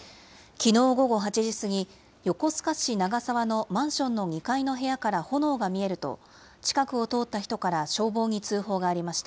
きのう午後８時過ぎ、横須賀市長沢のマンションの２階の部屋から炎が見えると、近くを通った人から消防に通報がありました。